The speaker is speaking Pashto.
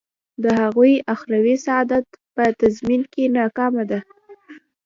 د هغوی اخروي سعادت په تضمین کې ناکامه دی.